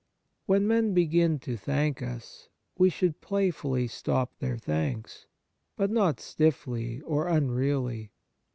When men begin to thank us, we should play fully stop their thanks, but not stiffly or unreally.